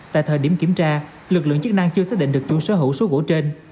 tại thời điểm kiểm tra lực lượng chức năng chưa xác định được chủ sở hữu số gỗ trên